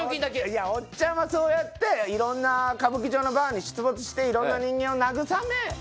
おっちゃんはそうやっていろんな歌舞伎町のバーに出没していろんな。